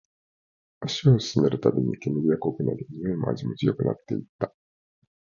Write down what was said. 足を進めるたびに、煙は濃くなり、においも味も強くなっていった